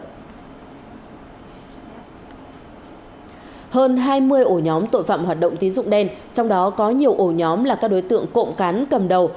hơn hai mươi ổ nhóm tội phạm hoạt động tín dụng đen trong đó có nhiều ổ nhóm là các đối tượng cộng cán cầm đầu